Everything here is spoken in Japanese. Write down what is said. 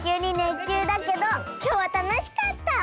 っちゅうだけどきょうはたのしかった！